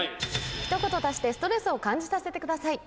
「一言足してストレスを感じさせて下さい」。